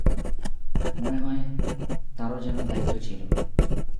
মনে হয়, তারও যেন দায়িত্ব ছিল।